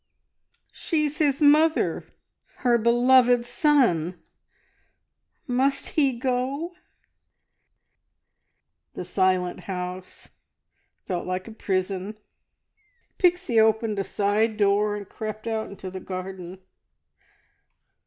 She's his mother. ... Her beloved son ... Must he go?" The silent house felt like a prison. Pixie opened a side door and crept out into the garden.